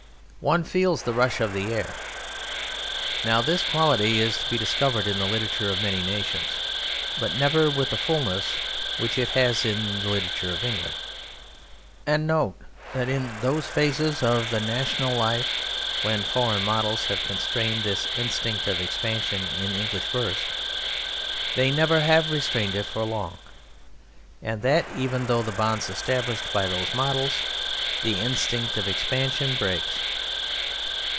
One feels the rush of the air. Now, this quality is to be discovered in the literature of many nations, but never with the fullness which it has in the literature of England. And note that in those phases of the national life when foreign models have constrained this instinct of expansion in English verse, they never have restrained it for long, and that even through the bonds established by those models the instinct of expansion breaks.